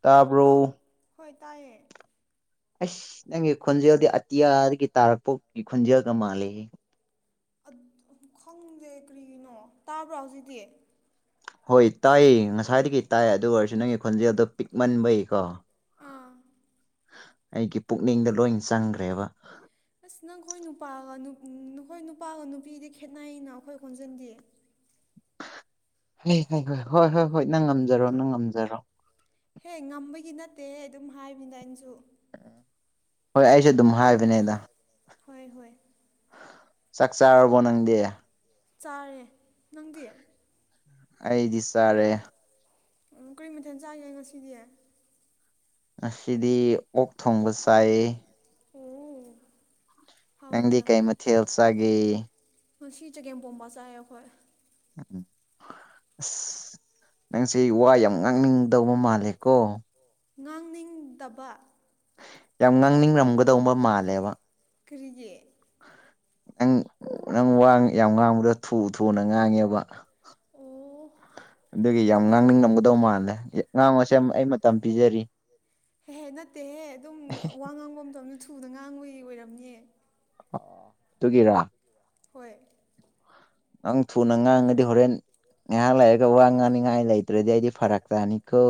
ꯇꯥꯕ꯭ꯔꯣ ꯍꯜꯂꯣ ꯍꯣꯏ ꯇꯥꯏꯌꯦ ꯑꯁ ꯅꯪꯒꯤ ꯈꯣꯟꯖꯦꯜꯗꯤ ꯑꯇꯤꯌꯥꯗꯒꯤ ꯇꯥꯔꯛꯄꯒꯤ ꯈꯣꯟꯖꯦꯜꯒ ꯃꯥꯂꯦ ꯈꯪꯗꯦ ꯀꯔꯤꯒꯤꯅꯣ ꯇꯥꯕ꯭ꯔꯥ ꯍꯧꯖꯤꯛꯗꯤ ꯍꯣꯏ ꯇꯥꯏꯌꯦ ꯉꯁꯥꯏꯗꯒꯤ ꯇꯥꯏ ꯑꯗꯨ ꯑꯣꯏꯔꯁꯨ ꯅꯪꯒꯤ ꯈꯣꯟꯖꯦꯜꯗꯣ ꯄꯤꯛꯃꯟꯕꯩꯀꯣ ꯑꯥ ꯑꯩꯒꯤ ꯄꯨꯛꯅꯤꯡꯗ ꯂꯣꯏ ꯆꯪꯈ꯭ꯔꯦꯕ ꯑꯁ ꯅꯪꯈꯣꯏ ꯅꯨꯄꯥꯒ ꯅꯈꯣꯏ ꯅꯨꯄꯥꯒ ꯅꯨꯄꯤꯗꯤ ꯈꯦꯠꯅꯩꯩꯅ ꯑꯩꯈꯣꯏ ꯈꯣꯟꯖꯟꯗꯤ ꯍ ꯍ ꯍꯣꯏ ꯍꯣꯏ ꯍꯣꯏ ꯍꯣꯏ ꯅꯪ ꯉꯝꯖꯔꯣ ꯅꯪ ꯉꯝꯖꯔꯣ ꯍꯦ ꯉꯝꯕꯒꯤ ꯅꯠꯇꯦꯍꯦ ꯑꯗꯨꯝ ꯍꯥꯏꯕꯅ ꯑꯩꯅꯁꯨ ꯍꯣꯏ ꯑꯩꯁꯨ ꯑꯗꯨꯝ ꯍꯥꯏꯕꯅꯦꯗ ꯍꯣꯏ ꯍꯣꯏ ꯆꯥꯛ ꯆꯥꯔꯕꯣ ꯅꯡ ꯆꯥꯔꯦ ꯅꯪꯗꯤ ꯑꯩꯗꯤ ꯆꯥꯔꯦ ꯎꯝ ꯀꯔꯤ ꯃꯊꯦꯜ ꯆꯥꯒꯦ ꯉꯁꯤꯗꯤ ꯑꯁꯤꯗꯤ ꯑꯣꯛ ꯊꯣꯡꯕ ꯆꯥꯏꯑ ꯎꯝ ꯅꯪꯗꯤ ꯀꯩ ꯃꯊꯦꯜ ꯆꯥꯒꯦ ꯁꯤ ꯆꯒꯦꯝꯄꯣꯝꯕ ꯆꯥꯏꯌꯦ ꯑꯩꯈꯣꯏ ꯎꯝ ꯑꯁ ꯅꯪꯁꯦ ꯋꯥ ꯌꯥꯝ ꯉꯥꯡꯅꯤꯡꯗꯧꯕ ꯃꯥꯜꯂꯦꯀꯣ ꯉꯥꯡꯅꯤꯡꯗꯕ ꯌꯥꯝ ꯉꯥꯡꯅꯤꯡꯔꯝꯒꯗꯧꯕ ꯃꯥꯜꯂꯦꯕ ꯀꯔꯤꯖꯦ ꯅꯪ ꯅꯪ ꯋꯥ ꯌꯥꯝ ꯉꯥꯡꯕꯗ ꯊꯨ ꯊꯨꯅ ꯉꯥꯡꯉꯦꯕ ꯑꯣ ꯑꯗꯨꯒꯤ ꯌꯥꯝ ꯋꯥ ꯉꯥꯡꯅꯤꯡꯂꯝꯝꯒꯗꯧ ꯃꯥꯜꯂꯦ ꯉꯥꯡꯉꯁꯦ ꯑꯩ ꯃꯇꯝ ꯄꯤꯖꯔꯤ ꯍꯦꯍꯦ ꯅꯠꯇꯦꯍꯦ ꯑꯗꯨꯝ ꯋꯥ ꯉꯥꯡꯕ ꯃꯇꯝꯗ ꯊꯨꯅ ꯉꯥꯡꯕꯒꯤ ꯑꯣꯏꯔꯝꯅꯦꯍ ꯇꯨꯒꯔꯥ ꯍꯣꯏ ꯅꯪ ꯊꯨꯅ ꯉꯥꯡꯉꯗꯤ ꯍꯣꯔꯦꯟ ꯉꯥꯏꯍꯥꯛ ꯂꯩꯔꯒ ꯋꯥ ꯉꯥꯡꯅꯤꯡꯉꯥꯏ ꯂꯩꯇ꯭ꯔꯗꯤ ꯑꯩꯗꯤ ꯐꯔꯛ ꯇꯥꯅꯤꯀꯣ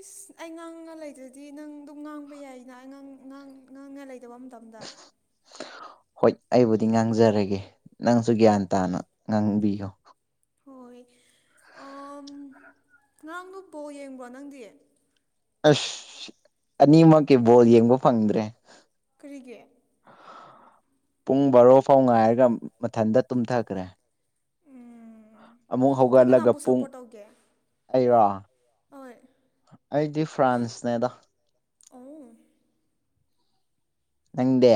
ꯏꯁ ꯑꯩ ꯉꯥꯡꯉ ꯂꯩꯗ꯭ꯔꯗꯤ ꯅꯪ ꯑꯗꯨꯝ ꯉꯥꯡꯕ ꯌꯥꯏꯅꯥꯡꯥꯡ ꯉꯥꯡꯉ ꯂꯩꯗꯕ ꯑꯃ ꯃꯇꯝꯗ ꯍꯣꯏ ꯑꯩꯕꯨꯗꯤ ꯉꯥꯡꯖꯔꯒꯦ ꯅꯪꯁꯨ ꯒ꯭ꯌꯥꯟ ꯇꯥꯅ ꯉꯥꯡꯕꯤꯌꯨ ꯍꯣꯏ ꯉꯔꯥꯡ ꯅꯨ ꯄꯣ ꯌꯦꯡꯕ꯭ꯔꯣ ꯅꯪꯗꯤ ꯑꯁ ꯑꯅꯤꯃꯛꯀꯤ ꯕꯣꯜ ꯌꯦꯡꯕ ꯐꯪꯗ꯭ꯔꯦ ꯀꯔꯤꯒꯦ ꯄꯨꯡ ꯕꯥꯔꯣ ꯐꯥꯎ ꯉꯥꯏꯔꯒ ꯃꯊꯟꯇ ꯇꯨꯝꯊꯈ꯭ꯔꯦ ꯎꯝ ꯑꯃꯨꯛ ꯅꯪ ꯍꯧꯒꯠꯂꯒ ꯀꯅꯥꯕꯨ ꯄꯨꯡ ꯁꯞꯄꯣꯔꯠ ꯇꯧꯒꯦ ꯑꯩꯔꯣ ꯍꯣꯏ ꯑꯩꯗꯤ ꯐ꯭ꯔꯥꯟꯁꯅꯦꯗ ꯑꯣ ꯅꯪꯗꯦ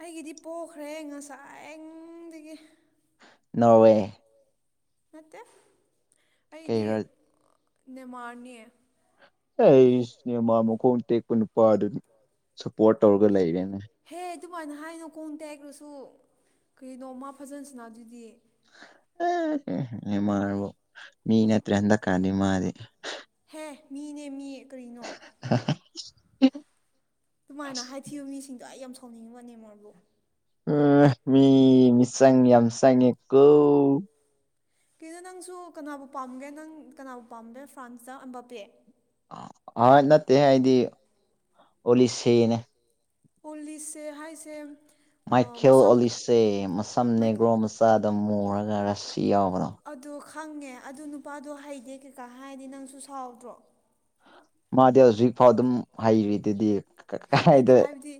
ꯑꯩꯒꯤꯗꯤ ꯄꯣꯛꯈ꯭ꯔꯦ ꯉꯁꯥꯏꯗꯒꯤ ꯅꯋꯦ ꯅꯠꯇꯦ ꯑꯩꯗꯤ ꯀꯩꯔ ꯅꯦꯃꯥꯔꯅꯦ ꯑꯩꯅꯦꯃ ꯃꯈꯣꯡ ꯇꯦꯛꯄ ꯅꯨꯄꯥꯗꯨ ꯁꯞꯄꯣꯔꯠ ꯇꯧꯔꯒ ꯂꯩꯔꯦꯅꯦ ꯍꯦ ꯑꯗꯨꯃꯥꯏꯅ ꯍꯥꯏꯅꯨ ꯀꯣꯡ ꯇꯦꯛꯈ꯭ꯔꯁꯨ ꯀꯩꯅꯣ ꯃꯥ ꯐꯖꯟꯁꯤꯅ ꯑꯗꯨꯗꯤ ꯑ ꯃꯥꯕꯨꯣ ꯃꯤꯟꯠꯇꯦ ꯍꯗ ꯀꯥꯅꯤ ꯃꯥꯦ ꯍꯦ ꯃꯤꯅꯦ ꯃꯤꯌꯦ ꯀꯔꯤꯅꯣ ꯑꯗꯨꯃꯥꯏꯅ ꯑꯁ ꯍꯥꯏꯊꯤꯕ ꯃꯤꯁꯤꯡꯗꯣ ꯑꯩ ꯌꯥꯝ ꯊꯧꯅꯤꯡꯉꯤꯕ ꯅꯅꯤꯃꯔꯕꯨ ꯎꯝ ꯃꯤ ꯃꯤꯁꯪ ꯌꯥꯝꯁꯉꯦ ꯀꯗꯣ ꯅꯪꯁꯨ ꯀꯅꯥꯕꯨ ꯄꯥꯝꯒꯦ ꯅꯪ ꯀꯅꯥꯕꯨ ꯄꯥꯝꯗꯦ ꯐ꯭ꯔꯥꯟꯁꯇ ꯑꯝꯕ ꯄꯤꯑ ꯑ ꯅꯠꯇꯦ ꯑꯩꯗꯤ ꯑꯣꯂꯤꯁꯦꯅꯦ ꯄꯂꯤꯁꯁꯦ ꯍꯥꯏꯁꯦ ꯃꯥꯏꯈꯦꯜ ꯃꯁꯝ ꯑꯣꯂꯤꯁꯁꯦ ꯃꯁꯝ ꯅꯦꯒ꯭ꯔꯣ ꯃꯆꯥꯗ ꯃꯨꯔꯒ ꯔꯁꯤ ꯌꯥꯎꯕꯅꯣ ꯑꯗꯣ ꯈꯪꯉꯦ ꯑꯗꯨ ꯅꯨꯄꯥꯗꯣ ꯍꯩꯗꯦ ꯀꯩꯀꯥ ꯍꯥꯏꯔꯗꯤ ꯅꯪꯁꯨ ꯁꯥꯎꯗ꯭ꯔꯣ ꯃꯥꯗꯤ ꯍꯧꯖꯤꯛꯐꯥꯎ ꯑꯗꯨꯝ ꯍꯩꯔꯤꯗꯨꯗꯤ ꯑꯩꯅ ꯀꯥꯏꯗ ꯍꯥꯏꯕꯗꯤ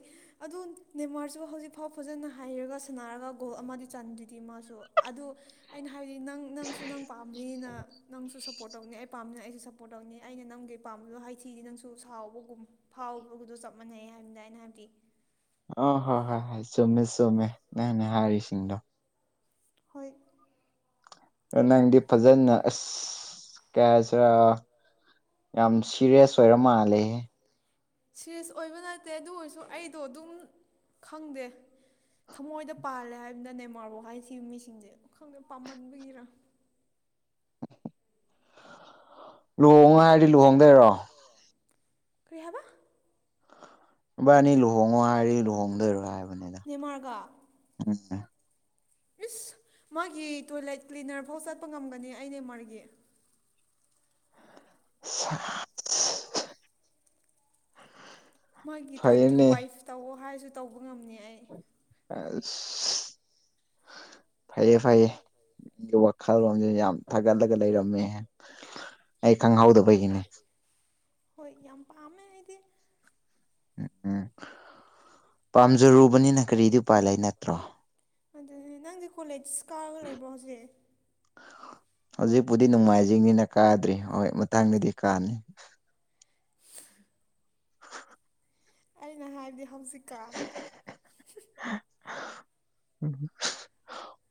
ꯑꯗꯨ ꯅꯦꯃꯥꯔꯁꯨ‌ ꯍꯧꯖꯤꯛꯐꯥꯎ ꯐꯖꯅ ꯍꯩꯔꯒ ꯁꯥꯟꯅꯔꯒ ꯒꯣꯜ ꯑꯃꯗꯤ ꯆꯥꯟꯂꯤꯗꯨꯗꯤ ꯃꯥꯁꯨ ꯑꯗꯨ ꯑꯩꯅ ꯍꯥꯏꯗꯤ ꯅꯪ ꯅꯪꯁꯨ ꯅꯪ ꯄꯥꯝꯕꯂꯤꯅ ꯅꯪꯁꯨ ꯁꯞꯄꯣꯔꯠ ꯇꯧꯅꯤ ꯑꯩ ꯄꯥꯝꯕꯅꯤꯅ ꯑꯩꯁꯨ ꯁꯞꯄꯣꯔꯠ ꯇꯧꯅꯤ ꯑꯩꯅ ꯅꯪꯒꯤ ꯄꯥꯝꯕꯗꯣ ꯍꯥꯏꯊꯤꯗꯤ ꯅꯪꯁꯨ ꯁꯥꯎꯕꯒꯨꯝ ꯐꯥꯎꯕꯒꯗ ꯆꯞ ꯃꯥꯟꯅꯩ ꯍꯥꯏꯕꯅꯤꯅ ꯑꯩꯅ ꯍꯥꯏꯕꯗꯤ ꯑ ꯍꯣꯏ ꯍꯣꯏ ꯍꯣꯏ ꯆꯨꯝꯃꯦ ꯆꯨꯝꯃꯦ ꯅꯅꯦ ꯍꯥꯏꯔꯤꯁꯤꯡꯗꯣ ꯍꯣꯏ ꯅꯪꯗꯤ ꯐꯖꯅ ꯑꯁ ꯀꯌꯥꯁꯤꯔꯥ ꯌꯥꯝ ꯁꯤꯔꯤꯌꯁ ꯑꯣꯏꯔ ꯃꯥꯜꯂꯦꯍꯦ ꯁꯤꯦꯔꯤꯌꯁ ꯑꯣꯏꯕ ꯅꯠꯇꯦ ꯑꯗꯨ ꯑꯣꯏꯔꯁꯨ ꯑꯩꯗꯣ ꯑꯗꯨꯝ ꯈꯪꯗꯦ ꯊꯃꯣꯏꯗ ꯄꯥꯜꯂꯦ ꯍꯥꯏꯕꯅꯤꯗ ꯅꯦꯃꯥꯥꯔ ꯍꯥꯏꯈꯤ ꯃꯤꯁꯤꯡꯁꯦ ꯈꯪꯗꯦ ꯄꯥꯝꯃꯟꯕꯒꯤꯔꯥ ꯂꯨꯍꯣꯡꯉꯣ ꯍꯥꯏꯔꯗꯤ ꯂꯨꯍꯣꯡꯗꯣꯏꯔꯣ ꯀꯩꯍꯥꯏꯕ ꯈꯣꯏꯕꯥꯟꯅꯤ ꯂꯨꯍꯣꯡꯉꯣ ꯍꯥꯏꯔꯤ ꯂꯨꯍꯣꯡꯗꯣꯏꯔꯣꯏ ꯍꯥꯏꯕꯅꯤ ꯅꯦꯃꯥꯔ ꯒꯥ ꯎ [unintelligible] ꯏꯁ ꯃꯥꯒꯤ ꯇꯣꯏꯂꯦꯠ ꯀ꯭ꯂꯤꯅꯔ ꯐꯧ ꯆꯠꯄ ꯉꯝꯒꯅꯤ ꯑꯩ ꯅꯦꯃꯥꯔ ꯒꯤ ꯑ [unintelligible] [inaudible] ꯃ‌ꯣꯏꯒꯤ ꯊꯥꯔꯇꯤ ꯐꯩꯌꯦꯅꯦ ꯋꯥꯏꯐ ꯇꯧꯋꯣ ꯍꯥꯏꯔꯁꯨ ꯇꯧꯕ ꯉꯝꯅꯤ ꯑꯩ ꯑꯁ ꯐꯩꯌꯦ ꯐꯩꯌꯦ ꯗꯨ ꯋꯥꯈꯜꯂꯣꯟꯁꯦ ꯌꯥꯝ ꯊꯥꯒꯠꯂꯒ ꯂꯩꯔꯝꯃꯦ ꯑꯩ ꯈꯪꯍꯥꯎꯗꯕꯩꯒꯤꯅꯦ ꯍꯣꯏ ꯌꯥꯝ ꯄꯥꯝꯃꯦ ꯑꯩꯗꯤ ꯎꯝ ꯎꯝ ꯄꯥꯝꯖꯔꯨꯕꯅꯤꯅ ꯀꯔꯤꯗꯤ ꯎꯄꯥꯏ ꯂꯩ ꯅꯠꯇ꯭ꯔꯣ ꯑꯗꯨꯅꯦ ꯅꯪꯁꯦ ꯀꯣꯂꯦꯖ ꯀꯥꯔꯒ ꯂꯩꯕ꯭ꯔꯣ ꯍꯧꯖꯤꯛ ꯍꯧꯖꯤꯛꯄꯨꯗꯤ ꯅꯣꯡꯃꯥꯏꯖꯤꯡꯅꯤꯅ ꯀꯥꯗ꯭ꯔꯤ ꯍꯣꯏ ꯃꯇꯥꯡꯗꯗꯤ ꯀꯥꯅꯤ ꯑꯩꯅ ꯍꯥꯏꯕꯗꯤ ꯍꯧꯖꯤꯛꯀꯥꯟ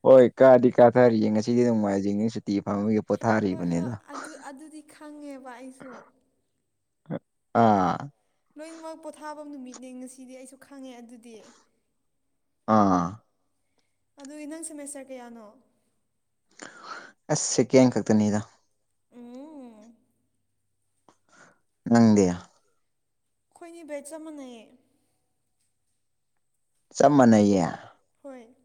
ꯍ‌ꯣꯏ ꯀꯥꯗꯤ ꯀꯥꯅꯔꯤꯌꯦ ꯉꯁꯤꯗꯤ ꯅ‌ꯣꯡꯃꯥꯏꯖꯤꯡ ꯅꯤꯅ ꯁꯨꯇꯤ ꯐꯪꯕꯒꯤ ꯍꯣꯏ ꯍꯣꯏ ꯄꯣꯊꯥꯔꯤꯕꯅ‌ꯦꯗ ꯑꯗꯨ ꯑꯗꯨꯗꯤ ꯈꯪꯉꯦꯕ ꯑꯩꯁꯨ ꯑꯥ ꯂꯣꯏꯅꯃꯛ ꯄꯣꯊꯥꯕ ꯅꯨꯃꯤꯠꯅꯦ ꯉꯁꯤꯗꯤ ꯑꯩꯁꯨ ꯈꯪꯉꯦ ꯑꯗꯨꯗꯤ ꯑꯥ ꯑꯗꯨꯗꯤ ꯅꯪ ꯁꯦꯃꯦꯁꯇꯔ ꯀꯌꯥꯅꯣ ꯑꯁ ꯁ‌ꯦꯀꯦꯟ ꯈꯛꯇꯅꯤꯗ ꯎꯝ ꯅꯪꯗꯤ ꯈꯣꯏꯅꯤ ꯚꯦꯖ ꯑꯃꯅ‌ꯦ ꯆꯞ ꯃꯥꯟꯅꯩꯌꯦ ꯍꯣꯏ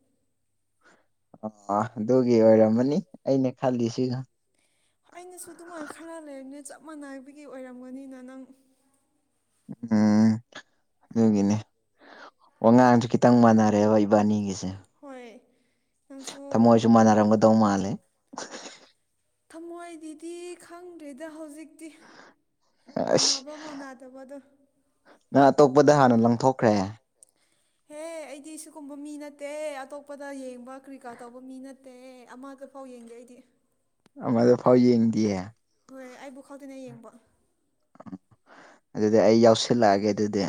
ꯑ ꯑꯗꯨꯒꯤ ꯑꯣꯏꯔꯝꯃꯅꯤ ꯑꯩꯅ ꯈꯜꯂꯤꯁꯤꯒ ꯑꯩꯅꯁꯨ ꯑꯗꯨꯃꯥꯏꯅ ꯈꯜꯂ ꯂꯩꯕꯅ‌ꯦ ꯆꯞ ꯃꯥꯟꯅꯕꯒꯤ ꯑꯣꯏꯔꯝꯒꯅꯤꯅ ꯅꯪ ꯎꯝ ꯑꯗꯨꯒꯤꯅ‌ꯦ ꯋꯥꯉꯥꯡꯁꯨ ꯈꯤꯇꯪ ꯃꯥꯟꯅꯔꯦꯕ ꯏꯕꯥꯟꯅꯤꯒꯤꯁꯦ ꯇ ꯍꯣꯏ ꯅꯪꯁꯨ ꯊꯝꯃꯣꯏꯁꯨ ꯃꯥꯟꯅꯔꯝꯒꯗꯧ ꯃꯜꯂꯦ ꯊꯝꯃꯣꯏꯗꯤꯗꯤ ꯈꯪꯗ꯭ꯔꯤꯗ ꯍꯧꯖꯤꯛꯇꯤ ꯑꯁ ꯃꯥꯟꯅꯕ꯭ꯔꯥ ꯃꯅ ꯇꯧꯕꯗꯨ ꯅꯪ ꯑꯇꯣꯞꯄꯗ ꯍꯥꯟꯅ ꯂꯪꯊꯣꯛꯈ꯭ꯔꯦ ꯍꯦ ꯑꯩꯗꯤ ꯁꯤꯒꯨꯝꯕ ꯃꯤ ꯅꯠꯇꯦ ꯑꯇꯣꯞꯄꯗ ꯌꯦꯡꯕ ꯀꯔꯤꯀꯥ ꯇꯧꯕ ꯃꯤ ꯅꯠꯇꯦ ꯑꯠꯇ ꯑꯃꯈꯣꯏ ꯐꯥꯎ ꯌꯦꯡꯗꯦ ꯑꯩꯗꯤ ꯑꯃꯗ ꯐꯥꯎ ꯌꯦꯡꯗꯤꯌꯦ ꯍꯣꯏ ꯑꯩꯕꯨ ꯈꯪꯗꯦꯅ ꯌꯦꯡꯕ ꯎꯝ ꯑꯗꯨꯗꯤ ꯑꯩ ꯌꯥꯎꯁꯤꯜꯂꯛꯑꯒꯦ ꯑꯗꯨꯗꯤ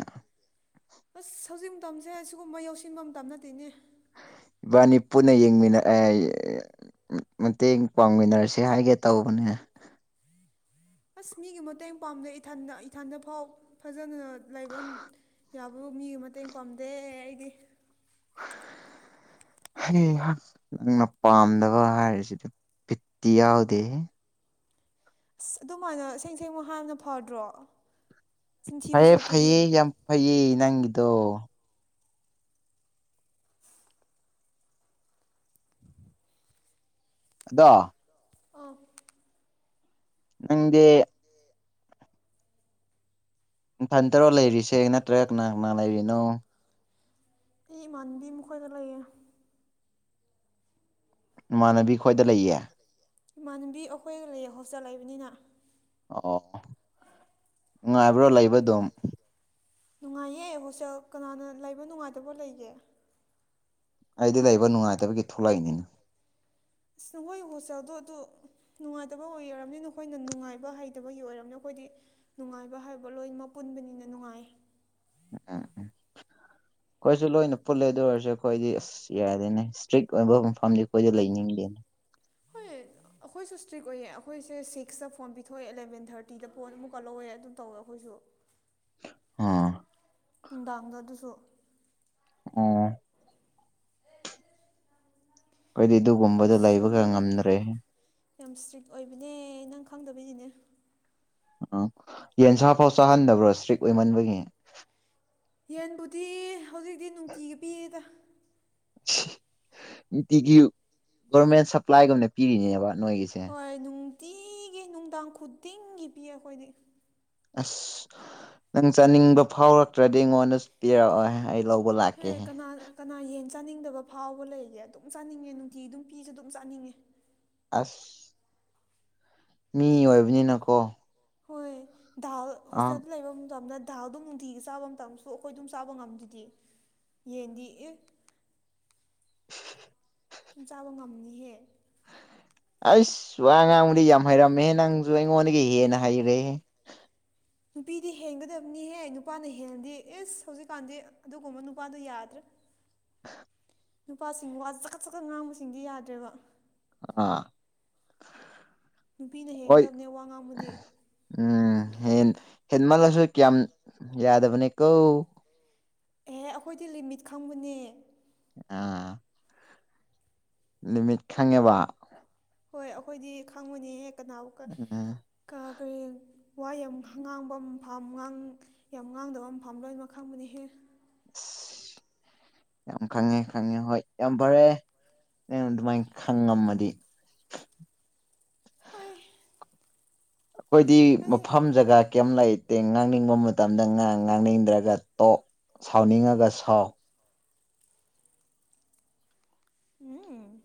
ꯑꯁ ꯍꯧꯖꯤꯛ ꯃꯇꯝꯁꯦ ꯁꯤꯒꯨꯝꯕ ꯌꯧꯁꯤꯟꯕ ꯃꯇꯝ ꯅꯠꯇꯦꯅꯦ ꯏꯕꯥꯟꯅꯤ ꯄꯨꯟꯅ ꯌꯦꯡꯃꯤꯟꯅ ꯑꯦ ꯃꯇꯦꯡ ꯄꯥꯡꯃꯤꯟꯅꯔꯁ‌ꯦ ꯍꯥꯏꯒꯦ ꯇꯧꯕꯅ‌ꯦ ꯑꯁ ꯃꯤꯒꯤ ꯃꯇꯦꯡ ꯄꯥꯝꯗ‌ꯦ ꯏꯊꯟꯗ ꯏꯊꯟꯗꯐꯥꯎ ꯐꯖꯅ ꯂꯩꯕ ꯌꯥꯕꯐꯧ ꯃꯤꯒꯤ ꯃꯇꯦꯡ ꯄꯥꯝꯗꯦ ꯑꯩꯗꯤ [inaudible] ꯑꯩ ꯑꯩꯍꯥꯛꯅ ꯄꯥꯝꯗꯕ ꯍꯥꯏꯔꯤꯁꯤꯗꯤ ꯐꯤꯠꯇꯤ ꯌꯥꯎꯗꯦ ꯑ ꯑꯗꯨꯃꯥꯏꯅ ꯁꯦꯡ ꯁꯦꯡꯃ ꯍꯥꯞꯅ ꯐꯗ꯭ꯔꯣ ꯆꯤꯟꯊꯤꯕ ꯐꯩꯌꯦ ꯁꯨꯔꯨꯛꯄꯨꯗꯤ ꯐꯩꯌꯦ ꯌꯥꯝ ꯐꯩꯌꯦ ꯅꯪꯒꯤꯗꯣ ꯑꯗ ꯑꯣꯐ ꯅꯪꯦ ꯐꯟ ꯇꯔꯣ ꯂꯩꯔꯤꯁꯦ ꯅꯠꯇ꯭ꯔꯒ ꯀꯅꯥ ꯀꯅꯥ ꯂꯩꯔꯤꯅꯣ ꯑꯩ ꯏꯃꯥꯟꯅꯕꯤ ꯃꯈꯣꯏꯗ ꯂꯩꯌꯦ ꯏꯃꯥꯟꯅꯕꯤ ꯈꯣꯏꯗ ꯂꯩꯌꯦ ꯏꯃꯥꯟꯅꯕꯤ ꯑꯩꯈꯣꯏꯒ ꯂꯩꯌꯦ ꯍꯣꯁꯇꯦꯜ ꯂꯩꯕꯅꯤꯅ ꯑꯣ ꯅꯨꯡꯉꯥꯏꯕ꯭ꯔꯣ ꯂꯩꯕ ꯑꯗꯨꯝ ꯅꯨꯡꯉꯥꯏꯌꯦ ꯍꯣꯁꯇꯦꯜ ꯀꯅꯥꯅ ꯂꯩꯕ ꯅꯨꯡꯉꯥꯏꯇꯕ ꯂꯩꯒꯦ ꯑꯩꯗꯤ ꯂꯩꯕ ꯅꯨꯡꯉꯥꯏꯇꯕꯒꯤ ꯊꯣꯛꯂꯛꯏꯅꯤꯅ ꯑꯁ ꯅꯍꯣꯏ ꯍꯣꯁꯇ꯭ꯦꯜ ꯑꯗꯨ ꯅꯨꯡꯉꯥꯏꯇꯕ ꯑꯣꯏꯔꯕꯔꯕꯅꯤ ꯅꯈꯣꯏꯅ ꯅꯨꯡꯉꯥꯏꯕ ꯍꯩꯇꯕꯒꯤ ꯑꯣꯏꯔꯕꯅꯤ ꯑꯩꯈꯣꯏꯗꯤ ꯅꯨꯡꯉꯥꯏꯕ ꯍꯥꯏꯕ ꯂꯣꯏꯅꯃꯛ ꯄꯨꯟꯕꯅꯤꯅ ꯅꯨꯡꯉꯥꯏ ꯎꯝ ꯎꯝ ꯑꯩꯈꯣꯏꯁꯨ ꯂꯣꯏꯅ ꯄꯨꯜꯂꯦ ꯑꯗꯨ ꯑꯣꯏꯔꯁꯨ ꯑꯩꯈꯣꯏꯗꯤ ꯑꯁ ꯌꯥꯔꯗꯦꯅꯦ ꯏꯁꯇ꯭ꯔꯤꯛ ꯑꯣꯏꯕ ꯃꯐꯝꯗꯤ ꯑꯩꯈꯣꯏꯗ ꯂꯩꯅꯤꯡꯗꯦꯅꯦ ꯍꯣꯏ ꯑꯩꯈꯣꯏꯁꯨ ꯏꯁꯇ꯭ꯔꯤꯛ ꯑꯣꯏꯌꯦ ꯑꯩꯈꯣꯏꯁꯦ ꯁꯤꯛꯁꯇ ꯐꯣꯟ ꯄꯤꯊꯣꯛꯑꯦ ꯑꯦꯂꯕꯦꯟ ꯊꯥꯔꯇꯤꯗ ꯄꯣꯟ ꯑꯃꯨꯛ ꯀꯜꯍꯧꯋꯦ ꯑꯗꯨꯝ ꯇꯧꯋꯦ ꯑꯩꯈꯣꯏꯁꯨ ꯑ ꯅꯨꯡꯗꯥꯡꯗꯣ ꯑꯗꯨꯁꯨ ꯑꯣ ꯑꯩꯈꯣꯏꯗꯤ ꯑꯗꯨꯒꯨꯝꯕꯗ ꯑꯩꯈꯣꯏꯁꯨ ꯂꯩꯕꯒ ꯉꯝꯗꯔꯦ ꯌꯥꯝ ꯏꯁꯇ꯭ꯔꯤꯛ ꯑꯣꯏꯕꯅꯦ ꯅꯪ ꯈꯪꯗꯕꯤꯗꯤꯅꯦ ꯎꯝ ꯌꯦꯟꯁꯥ ꯐꯥꯎ ꯆꯥꯍꯟꯗꯕ꯭ꯔꯣ ꯏꯁꯇ꯭ꯔꯤꯛ ꯑꯣꯏꯃꯟꯕꯒꯤ ꯌꯦꯟꯕꯨꯗꯤ ꯍꯧꯖꯤꯛꯇꯤ ꯅꯨꯡꯇꯤꯒꯤ ꯄꯤꯌꯦꯗ ꯅꯨꯡꯇꯤꯒꯤ ꯒꯣꯔꯃꯦꯟ ꯁꯄ꯭ꯂꯥꯏꯒꯨꯝꯅ ꯄꯤꯔꯤꯅꯦꯕ ꯅꯣꯏꯒꯤꯁꯦ ꯍꯣꯏ ꯅꯨꯡꯇꯤꯒꯤ ꯅꯨꯡꯗꯥꯡ ꯈꯨꯗꯤꯡꯒꯤ ꯄꯤꯌꯦ ꯑꯩꯈꯣꯏꯗꯤ ꯑꯁ ꯅꯪ ꯆꯥꯅꯤꯡꯕ ꯐꯥꯎꯔꯛꯇ꯭ꯔꯗꯤ ꯑꯩꯉꯣꯟꯗ ꯄꯤꯔꯛꯑꯣ ꯑꯩ ꯂꯧꯕ ꯍꯦ ꯂꯥꯛꯀꯦꯍꯦ ꯀꯅꯥ ꯀꯅꯥ ꯌꯦꯟ ꯆꯥꯅꯤꯡꯗꯕ ꯐꯥꯎꯕ ꯂꯩꯒꯦ ꯑꯗꯨꯝ ꯆꯥꯅꯤꯡꯉꯦ ꯅꯨꯡꯇꯤ ꯑꯗꯨꯝ ꯄꯤꯁꯨ ꯑꯗꯨꯝ ꯆꯥꯅꯤꯡꯉꯦ ꯑꯁ ꯃꯤ ꯑꯣꯏꯕꯅꯤꯅꯀꯣ ꯍꯣꯏ ꯗꯥ ꯑꯥ ꯍꯣꯁꯇꯦꯜꯗ ꯂꯩꯕ ꯃꯇꯝ ꯃꯇꯝꯅ ꯗꯥꯜ ꯗꯣ ꯑꯗꯨꯝ ꯅꯨꯡꯇꯤꯒꯤ ꯆꯥꯕ ꯃꯇꯝꯁꯨ ꯑꯩꯈꯣꯏ ꯑꯗꯨꯝ ꯆꯥꯕ ꯉꯝꯗꯗꯤ ꯌꯦꯟꯗꯤ ꯑꯦ [inaudible] ꯁꯨꯝ ꯆꯥꯕ ꯉꯝꯅꯤꯍꯦ ꯑꯁ ꯋꯥ ꯉꯥꯡꯕꯗꯤ ꯌꯥꯝ ꯍꯩꯔꯝꯃꯦꯍ ꯅꯪꯁꯨ ꯑꯩꯉꯣꯟꯗꯒꯤ ꯍꯦꯟꯅ ꯍꯩꯔꯦꯍꯦ ꯅꯨꯄꯤꯗꯤ ꯍꯦꯟꯒꯗꯕꯅꯤꯍꯦ ꯅꯨꯄꯥꯅ ꯍꯦꯟꯗꯦ ꯑꯁ ꯍꯧꯖꯤꯛꯀꯥꯟꯗꯤ ꯑꯗꯨꯒꯨꯝꯕ ꯅꯨꯄꯥꯗꯨꯣ ꯌꯥꯗ꯭ꯔꯦ ꯍ [inaudible] ꯅꯨꯄꯥꯁꯤꯡ ꯋꯥ ꯆꯀꯠ ꯆꯀꯠ ꯉꯥꯡꯕꯁꯤꯡꯗꯤ ꯌꯥꯗ꯭ꯔꯦꯕ ꯑꯥ [inaudible] ꯅꯨꯄꯤꯅ ꯍꯣꯏ ꯍꯦꯜꯗꯕꯅꯦ ꯋꯥ ꯉꯥꯡꯃꯨꯗꯦ ꯎꯝ ꯍꯦꯟ ꯍꯦꯟꯃꯜꯂꯁꯨ ꯀꯌꯥꯝ ꯌꯥꯗꯕꯅꯤ ꯀꯧ ꯑꯦꯍꯦ ꯑꯩꯈꯣꯏꯗꯤ ꯂꯤꯃꯤꯠ ꯈꯪꯕꯅꯦ ꯑ ꯂꯤꯃꯤꯠ ꯈꯪꯉꯦꯕ ꯍꯣꯏ ꯑꯩꯈꯣꯏꯗꯤ ꯈꯪꯉꯨꯅꯦ ꯀꯅꯥꯕꯨ ꯎꯝ ꯀꯔꯤ ꯋꯥ ꯌꯥꯝ ꯉꯥꯡꯕ ꯐꯥꯝ ꯌꯥꯝ ꯉꯥꯡꯗꯕ ꯃ ꯐꯥꯝ ꯂꯣꯏꯅꯃꯛ ꯈꯪꯕꯅꯤꯍꯦ ꯑꯁ [inaudible] ꯌꯥꯝ ꯈꯪꯉꯦ ꯈꯪꯉꯦ ꯍꯣꯏ ꯌꯥꯝ ꯐꯔꯦ ꯅ ꯑꯗꯨꯃꯥꯏꯅ ꯈꯪꯉꯝꯃꯗꯤ ꯍꯣꯏ ꯑꯩꯈꯣꯏꯗꯤ ꯅꯪ ꯃꯐꯝ ꯖꯒꯥ ꯀꯩꯝ ꯂꯩꯇꯦ ꯉꯥꯡꯅꯤꯡꯕ ꯃꯇꯝꯗ ꯉ ꯉꯥꯡꯅꯤꯡꯗ꯭ꯔꯒ ꯇꯣꯛ ꯁꯥꯎꯅꯤꯡꯉꯒ ꯁꯥꯎ ꯎꯝ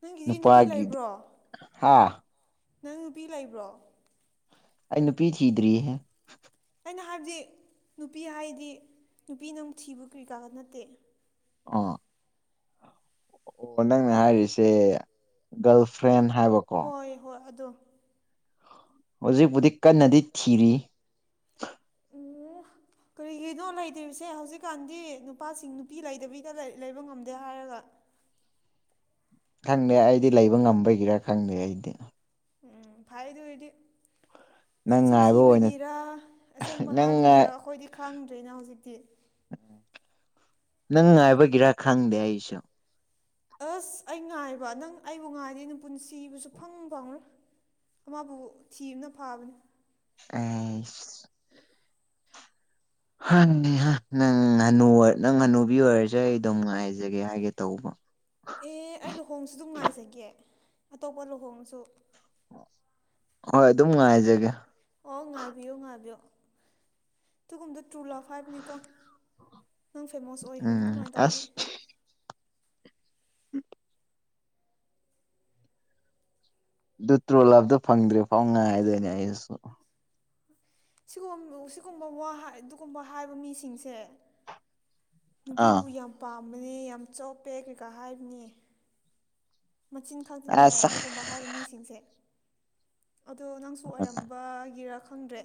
ꯅꯪꯒꯤꯗꯤ ꯅꯨꯄꯤ ꯅꯨꯄꯥꯒꯤꯗꯤ ꯂꯩꯕ꯭ꯔꯣ ꯍꯥ ꯅꯪ ꯅꯨꯄꯤ ꯂꯩꯕ꯭ꯔꯣ ꯑꯩ ꯅꯨꯄꯤ ꯊꯤꯗ꯭ꯔꯤꯍꯦ ꯑꯩꯅ ꯍꯥꯏꯕꯗꯤ ꯅꯨꯄꯤ ꯍꯥꯏꯗꯤ ꯅꯨꯄꯤꯅ ꯑꯃꯨꯛ ꯊꯤꯕ ꯀꯔꯤꯀꯥ ꯅꯠꯇꯦ ꯑꯣ ꯑꯣ ꯅꯪꯅ ꯍꯥꯏꯔꯤꯁꯦ ꯒꯥꯔꯜ ꯐ꯭ꯔꯦꯟ ꯍꯥꯏꯕꯀꯣ ꯍꯣꯏ ꯍꯣꯏ ꯑꯗꯣꯝ ꯍꯧꯖꯤꯛꯄꯨꯗꯤ ꯀꯟꯅꯗꯤ ꯊꯤꯔꯤ ꯑꯦ ꯀꯔꯤꯒꯤꯅꯣ ꯂꯩꯇ꯭ꯔꯤꯁꯦ ꯍꯧꯖꯤꯛꯀꯥꯟꯗꯤ ꯅꯨꯄꯥꯁꯤꯡ ꯅꯨꯄꯤ ꯂꯩꯗꯕꯤꯩꯗ ꯂꯩꯕ ꯉꯝꯗꯦ ꯍꯥꯏꯔꯒ ꯈꯪꯗꯦ ꯑꯩꯗꯤ ꯂꯩꯕ ꯉꯝꯕꯒꯤꯔꯥ ꯈꯪꯗꯦ ꯑꯩꯗꯤ ꯎꯝ ꯐꯥꯏ ꯑꯗꯨꯗꯤ ꯅꯪ ꯉꯥꯏꯕ ꯑꯣꯏꯅ ꯆꯤꯟꯊꯤꯕꯒꯤꯔ ꯑꯁꯦꯡꯕ ꯅꯪ ꯍꯥꯏꯕꯒꯤꯔ ꯑꯩꯈꯣꯏꯗꯤ ꯈꯪꯗ꯭ꯔꯦꯅ ꯍꯧꯖꯤꯛꯇꯤ ꯎꯝ ꯅꯪ ꯉꯥꯏꯕꯒꯤꯔ ꯈꯪꯗꯦ ꯑꯩꯁꯨ ꯑꯁ ꯑꯩ ꯉꯥꯏꯕ ꯅꯪ ꯑꯩꯕꯨ ꯉꯥꯏꯗꯤꯦ ꯅꯪ ꯄꯨꯟꯁꯤꯕꯨꯁꯨ ꯐꯪ ꯐꯪꯣꯏ ꯑꯃꯕꯨ ꯊꯤ ꯑꯃꯅ ꯐꯥꯕꯅꯤ ꯑ ꯍꯅꯤ ꯅꯪ ꯉꯥꯅꯨ ꯅꯪ ꯉꯥꯅꯨꯕꯤ ꯑꯣꯏꯔꯁ ꯑꯩ ꯑꯗꯨꯝ ꯉꯥꯏꯖꯒꯦ ꯍꯥꯏꯒꯦ ꯇꯧꯕ ꯑꯦ ꯑꯩ ꯂꯨꯍꯣꯡꯁꯨ ꯑꯗꯨꯝ ꯉꯥꯏꯖꯒꯦ ꯑꯇꯣꯞꯄ ꯂꯨꯍꯣꯡꯁꯨ ꯍꯣꯏ ꯑꯗꯨꯝ ꯉꯅꯨꯡꯉꯥꯏꯖꯒꯦ ꯑꯣ ꯉꯥꯏꯕꯤꯌꯣ ꯉꯥꯏꯕꯤꯌꯣ ꯑꯗꯨꯒꯨꯝꯕꯗ ꯇꯨ ꯂꯥꯛ ꯐꯥꯏꯕꯅꯤꯀꯣ ꯅꯪ ꯐꯦꯃꯣꯁ ꯑꯣꯏꯈ꯭ꯔꯅꯤ ꯎꯝ ꯑꯗꯨꯃꯥꯏꯅ ꯇꯧꯗꯤ ꯎꯝ ꯇ꯭ꯔꯣ ꯂꯥꯞꯇ ꯐꯪꯗ꯭ꯔꯦ ꯐꯥꯎ ꯉꯥꯏꯗꯣꯏꯅꯦ ꯑꯩꯁꯨ ꯁꯤꯒ ꯁꯤꯒꯨꯝꯕ ꯋꯥ ꯑꯗꯨꯒꯨꯝꯕ ꯍꯥꯏꯕ ꯃꯤꯁꯤꯡꯁꯦ ꯑꯥ ꯅꯨꯄꯤꯕꯨ ꯌꯥꯝ ꯄꯥꯝꯕꯅꯦ ꯌꯥꯝ ꯆꯣꯞꯄꯦ ꯀꯩꯀꯥ ꯍꯥꯏꯕꯅꯦ ꯃꯆꯤꯟ ꯈꯛꯇꯅꯦ ꯍꯥꯏ ꯑꯁ ꯑꯗꯨꯒꯨꯝꯕ ꯍꯥꯏꯕ ꯃꯤꯁꯤꯡꯁꯦ ꯑꯗꯣ ꯅꯪꯁꯨ ꯑꯣꯏꯔꯝꯕꯒꯤꯔ ꯈꯪꯗ꯭ꯔꯦ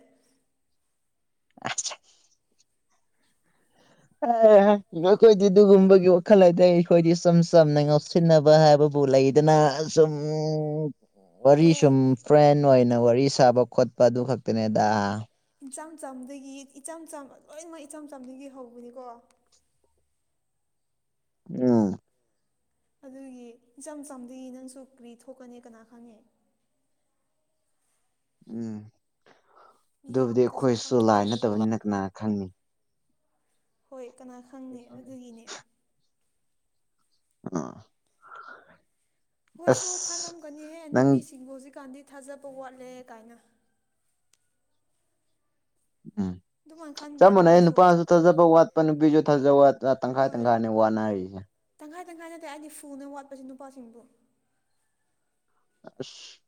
ꯅꯈꯣꯏꯗꯤ ꯑꯗꯨꯒꯨꯝꯕꯒꯤ ꯋꯥꯈꯜ ꯍꯥꯏꯗꯤ ꯑꯩ ꯑꯩꯈꯣꯏꯗꯤ ꯁꯨꯝ ꯆꯝꯅ ꯉꯥꯎꯁꯤꯟꯅꯕ ꯍꯥꯏꯕꯕꯨ ꯂꯩꯗꯅ ꯁꯨꯝ ꯋꯥꯔꯤ ꯍꯦ ꯁꯨꯝ ꯐ꯭ꯔꯦꯟ ꯑꯣꯏꯅ ꯋꯥꯔꯤ ꯁꯥꯕ ꯈꯣꯠꯄ ꯑꯗꯨ ꯈꯛꯇꯅꯦꯗ ꯏꯆꯝ ꯆꯝꯗꯒꯤ ꯏꯆꯝ ꯆꯝ ꯂꯣꯏꯅꯃꯛ ꯏꯆꯝ ꯆꯝꯗꯒꯤ ꯍꯧꯕꯅꯤꯀꯣ ꯎꯝ꯫ ꯑꯗꯨꯒꯤ ꯏꯆꯝ ꯆꯝꯒꯤ ꯅꯪꯁꯨ ꯀ꯭ꯔꯤ ꯊꯣꯛꯀꯅꯤ ꯀꯅꯥ ꯈꯪꯉꯦ꯫ ꯎꯝ ꯃꯤ ꯑꯗꯨꯕꯨꯗꯤ ꯑꯃꯇꯁꯨ ꯑꯩꯈꯣꯏꯁꯨ ꯈꯪꯗꯦ ꯂꯥꯏ ꯅꯠꯇꯕꯅꯤꯅ ꯀꯅꯥ ꯈꯪꯉꯤ꯫ ꯍꯣꯏ ꯀꯅꯥ ꯈꯪꯉꯦ ꯑꯗꯨꯒꯤꯅꯦ꯫ ꯑꯥ꯫ ꯍꯣꯏꯁꯨ ꯑꯁ ꯈꯜꯂꯝꯒꯅꯤꯍꯦ ꯅꯪ ꯅꯨꯄꯤꯁꯤꯡꯕꯨ ꯍꯧꯖꯤꯛꯀꯥꯟꯗꯤ ꯊꯥꯖꯕ ꯋꯥꯠꯂꯦ ꯀꯥꯏꯅ꯫ ꯎꯝ꯫ ꯑꯗꯨꯃꯥꯏꯅ ꯈꯟꯕ꯭ꯔꯥ ꯆꯞ ꯃꯥꯟꯅ ꯑꯩ ꯅꯈꯣꯏꯁꯨ ꯅꯨꯄꯥꯁꯨ ꯊꯥꯖꯕ ꯋꯥꯠꯄ ꯅꯨꯄꯤꯁꯨ ꯊꯥꯖꯕ ꯋꯥꯠꯄ ꯇꯪꯈꯥꯏ ꯍꯣꯏ ꯇꯪꯈꯥꯏꯅꯦ ꯋꯥꯠꯅꯔꯤꯁꯦ ꯇꯪꯈꯥꯏ ꯇꯪꯈꯥꯏ ꯅꯠꯇꯦ ꯑꯩꯗꯤ ꯐꯨꯅ ꯋꯥꯠꯄꯁꯦ ꯅꯨꯄꯥꯁꯤꯡꯕꯨ ꯑꯁ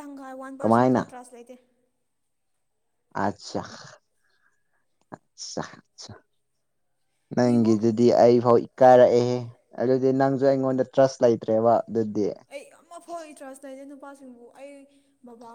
ꯇꯪꯈꯥꯏ ꯋꯥꯟ ꯀꯃꯥꯏꯅ ꯄꯔꯁꯦꯟꯐꯥꯎ ꯇ꯭ꯔꯥꯁ ꯂꯩꯇꯦ ꯑꯆꯥ ꯅ ꯌꯦꯡꯉꯣ ꯗꯤ ꯑꯩ ꯐꯥꯎ ꯏꯀꯥꯏꯔꯛꯑꯦ ꯑꯗꯨꯗꯤ ꯅꯪꯁꯨ ꯑꯩꯉꯣꯟꯗ ꯇ꯭ꯔꯁ ꯂꯩꯇ꯭ꯔꯦꯕ ꯑꯗꯨꯗꯤ ꯑꯩ ꯌꯥꯝꯐꯥꯎ ꯏꯟꯇꯔꯁ ꯂꯩꯖꯦ ꯅꯨꯄꯥꯁꯤꯡꯕꯨ ꯑꯩ ꯕꯕꯥ